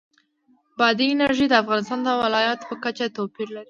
بادي انرژي د افغانستان د ولایاتو په کچه توپیر لري.